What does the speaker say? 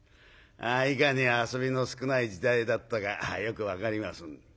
いかに遊びの少ない時代だったかよく分かります。